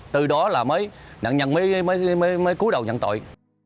từ đó là nạn nhân mới cứu đầu nhận tội